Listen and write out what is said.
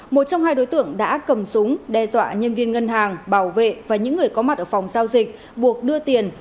một trong hai đối tượng đã cầm súng đe dọa nhân viên ngân hàng bảo vệ và những người có mặt ở phòng giao dịch buộc đưa tiền